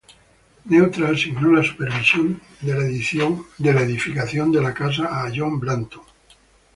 Neutra asignó la supervisión de la edificación de la casa a John Blanton.